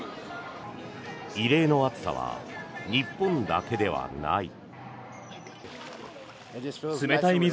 異例の暑さは日本だけではない。